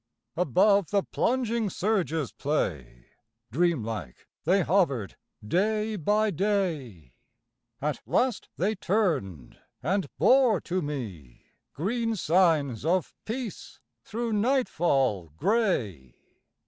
Above the plunging surge's play Dream like they hovered, day by day. At last they turned, and bore to me Green signs of peace thro' nightfall gray.